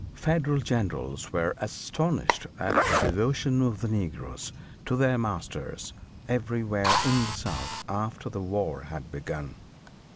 Federal generals were astonished at the devotion of the negroes to their masters everywhere in the South after the war had begun.